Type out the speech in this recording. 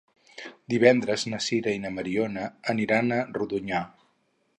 Divendres na Sira i na Mariona aniran a Rodonyà.